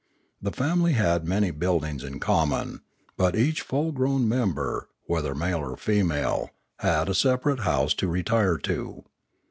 The family had many buildings in common; but each full grown mem ber, whether male or female, had a separate house to retire to.